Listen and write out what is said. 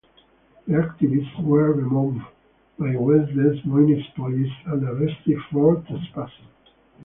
The activists were removed by West Des Moines police and arrested for trespassing.